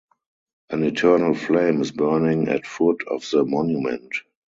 An eternal flame is burning at foot of the monument.